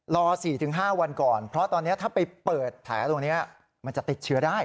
รอ๔๕วันก่อนเพราะตอนนี้ถ้าไปเปิดแผลตรงนี้มันจะติดเชื้อได้